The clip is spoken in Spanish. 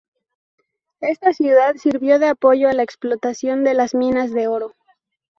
Esta ciudad sirvió de apoyo a la explotación de las minas de oro.